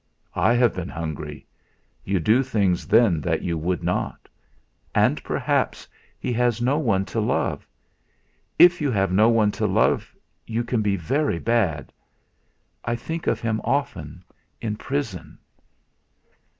I have been hungry you do things then that you would not. And perhaps he has no one to love; if you have no one to love you can be very bad. I think of him often in prison."